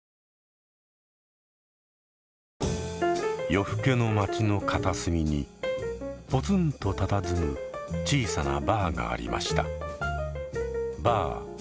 夜更けの街の片隅にポツンとたたずむ小さなバーがありました。